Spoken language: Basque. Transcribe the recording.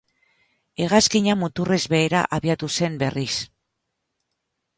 Hegazkina muturrez behera abiatu zen berriz.